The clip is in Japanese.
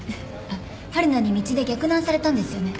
春菜に道で逆ナンされたんですよね？